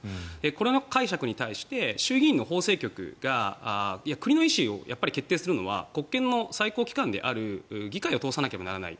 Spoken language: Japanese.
これに関して衆議院の法制局が国の意思を決定するのは国権の最高機関である議会を通さなければならない。